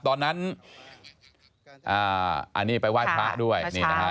ตอนนั้นอันนี้ไปว่ายพระด้วย